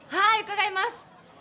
伺います。